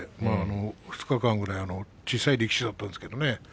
２日間ぐらい小さい力士だったんですけれども。